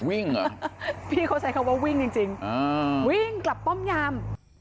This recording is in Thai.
เหรอพี่เขาใช้คำว่าวิ่งจริงวิ่งกลับป้อมยาม